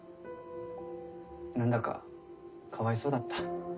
何だかかわいそうだった。